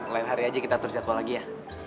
lain hari aja kita tur jako lagi ya